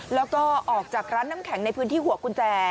แล้วก็ออกจากร้านน้ำแข็งในพื้นที่หัวกุญแจ